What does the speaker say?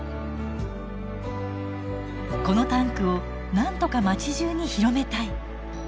このタンクをなんとか町じゅうに広めたい。